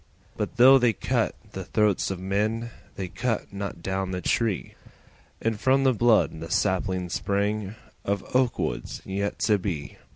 But though they cut the throats of men They cut not down the tree, And from the blood the saplings sprang Of oak woods yet to be.